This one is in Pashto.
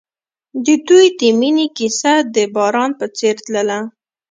د دوی د مینې کیسه د باران په څېر تلله.